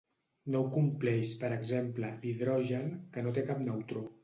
No ho compleix, per exemple, l'hidrogen, que no té cap neutró.